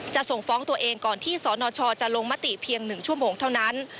จะส่งฟ้องตัวเองก่อนที่สนชจะลงมติเพียง๑ชั่วโมงเท่านั้น